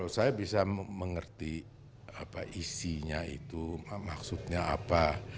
saya bisa mengerti apa isinya itu maksudnya apa